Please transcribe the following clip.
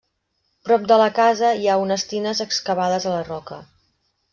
Prop de la casa hi ha unes tines excavades a la roca.